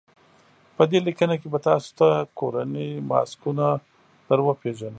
په دې لیکنه کې به تاسو ته کورني ماسکونه در وپېژنو.